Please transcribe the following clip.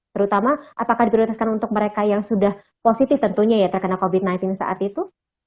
terutama apakah diprioritaskan untuk mereka yang sudah positif tentunya ya terkena covid sembilan belas saat itu